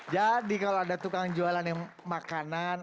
jadi kalau ada tukang jualan yang makanan